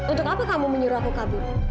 untuk apa kamu menyuruh aku kabur